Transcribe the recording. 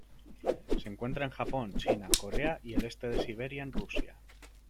Se encuentra en Japón, China, Corea y el este de Siberia en Rusia.